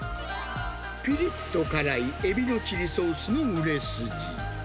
ぴりっと辛いエビのチリソースも売れ筋。